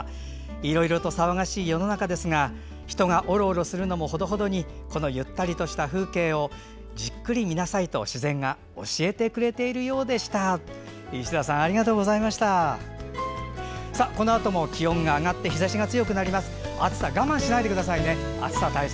いろいろと騒がしい世の中ですが人がオロオロするのもほどほどにゆったりとした風景をじっくり見なさいと自然が教えてくれているようでした。